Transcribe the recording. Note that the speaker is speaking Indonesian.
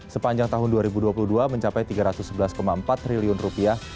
sepanjang tahun dua ribu dua puluh dua mencapai tiga ratus sebelas empat triliun rupiah